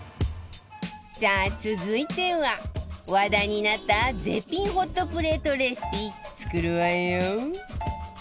さあ続いては話題になった絶品ホットプレートレシピ作るわよ